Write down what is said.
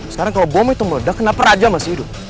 sekarang kalau bom itu meledak kenapa raja masih hidup